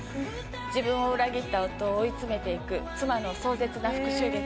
自分を裏切った夫を追い詰めていく妻の壮絶な復しゅう劇。